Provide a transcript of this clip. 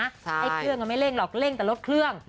ไอ้เครื่องไม่เร่งหรอกเร่งแต่รถเครื่อง